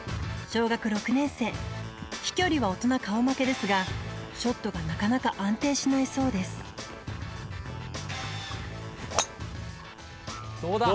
小学６年生飛距離は大人顔負けですがショットがなかなか安定しないそうですどうだ？